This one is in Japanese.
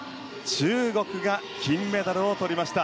中国が金メダルを取りました。